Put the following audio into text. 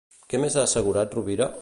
Què més ha assegurat Rovira?